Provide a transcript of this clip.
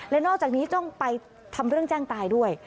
และนอกจากนี้ต้องไปทำเรื่องแจ้งตายด้วย